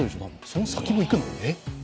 その先もいくの？